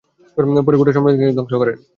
পরে গোটা সম্প্রদায়কে ধ্বংস করেন।